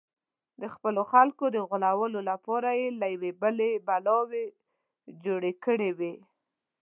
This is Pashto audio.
د خپلو خلکو د غولولو لپاره یې له یوه بله بلاوې جوړې کړې وې.